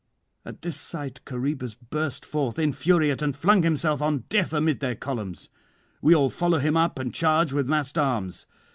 At this sight Coroebus burst forth infuriate, and flung himself on death amid their columns. We all follow him up, and charge with massed arms.